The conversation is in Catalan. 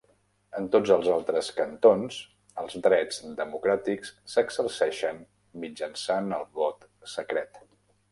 En tots els altres cantons, els drets democràtics s'exerceixen mitjançant el vot secret.